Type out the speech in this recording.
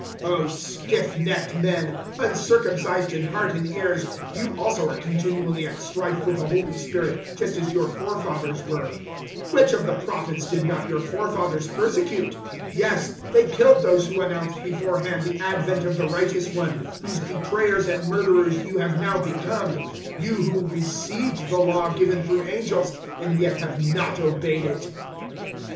007:051 "O stiff necked men, uncircumcised in heart and ears, you also are continually at strife with the Holy Spirit just as your forefathers were. 007:052 Which of the Prophets did not your forefathers persecute? Yes, they killed those who announced beforehand the advent of the righteous One, whose betrayers and murderers you have now become 007:053 you who received the Law given through angels, and yet have not obeyed it."